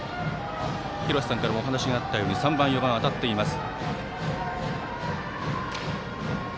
廣瀬さんからもお話があったように３番、４番、当たっています。